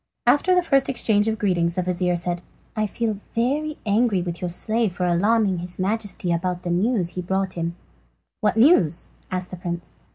After the first exchange of greetings the vizir said: "I feel really very angry with your slave for alarming his Majesty by the news he brought him." "What news?" asked the prince.